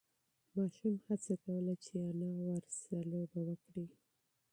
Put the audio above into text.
ماشوم هڅه کوله چې انا ورسه لوبه وکړي.